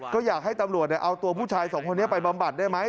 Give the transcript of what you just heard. ก็อยากให้ตำรวจเอาตัวผู้ชายสองคนนี้ไปบำบัดได้ไหม